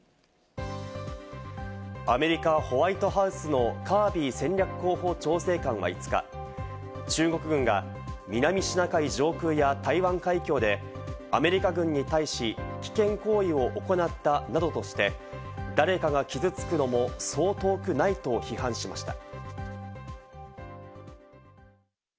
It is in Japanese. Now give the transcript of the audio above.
アメリカ・ホワイトハウスのカービー戦略広報調整官は５日、中国軍が南シナ海上空や台湾海峡でアメリカ軍に対し危険行為を行ったなどとして誰かが傷つくのもそう遠くないと批判しました。